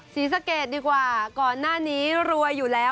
ศรีสะเกดดีกว่าก่อนหน้านี้รวยอยู่แล้ว